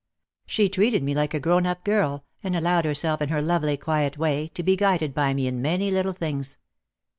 She treated me like a grown up girl and allowed herself in her lovely quiet way to be guided by me in many little things.